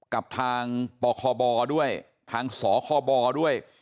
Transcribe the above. กับทางปคบด้วยทางสคบด้วย